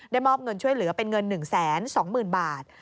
มอบเงินช่วยเหลือเป็นเงิน๑๒๐๐๐บาท